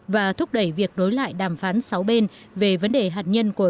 và thúc đẩy việc nối lại đàm phán sáu bên về vấn đề hạt nhân của